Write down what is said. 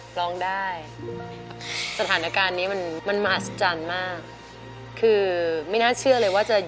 ร้องได้สถานการณ์นี้มันมันมหัศจรรย์มากคือไม่น่าเชื่อเลยว่าจะ